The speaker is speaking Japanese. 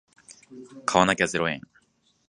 買わなきゃゼロ円